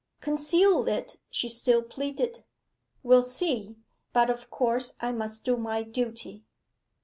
'Conceal it,' she still pleaded. 'We'll see but of course I must do my duty.